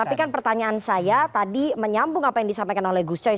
tapi kan pertanyaan saya tadi menyambung apa yang disampaikan oleh gus coy